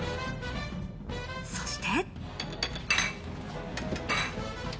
そして。